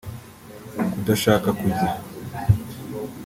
kudashaka kurya